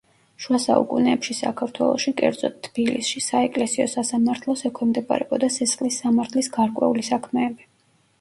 შუა საუკუნეებში საქართველოში, კერძოდ თბილისში საეკლესიო სასამართლოს ექვემდებარებოდა სისხლის სამართლის გარკვეული საქმეები.